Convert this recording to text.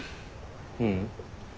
ううん。